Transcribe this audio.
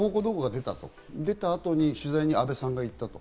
出た後に取材に阿部さんが行ったと。